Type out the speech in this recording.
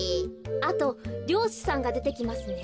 あとりょうしさんがでてきますね。